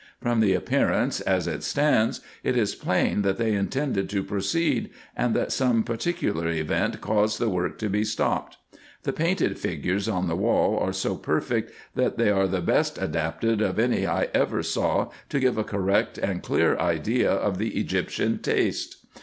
From the appearance, as it stands, it is plain, that they intended to proceed, and that some particular event caused the work to be stopped. The painted figures on the wall are so perfect, that they are the best adapted of any I ever saw to give a correct and clear idea of the Egyptian taste.